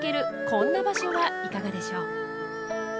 こんな場所はいかがでしょう？